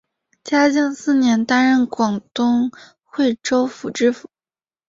嘉靖四年担任广东惠州府知府。